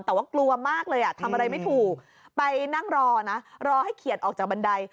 แต่ว่ากลัวมากเลยอ่ะทำอะไรไม่ถูกไปนั่งรอนะรอให้เขียดออกจากบันได